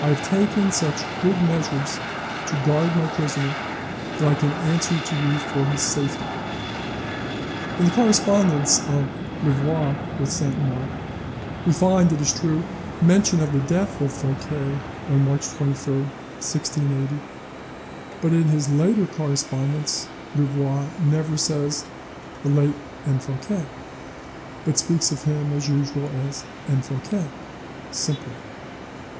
"I have taken such good measures to guard my prisoner that I can answer to you for his safety" ('Lettres de Saint Mars a Louvois', 20th January 1687). In the correspondence of Louvois with Saint Mars we find, it is true, mention of the death of Fouquet on March 23rd, 1680, but in his later correspondence Louvois never says "the late M. Fouquet," but speaks of him, as usual, as "M. Fouquet" simply.